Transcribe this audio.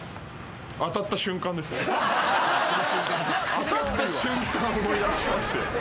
当たった瞬間思い出しますよ。